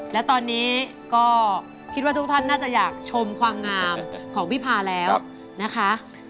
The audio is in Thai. และตอนนี้ก็คิดว่าทุกท่านน่าจะอยากชมความงามของพี่พาแล้วนะคะ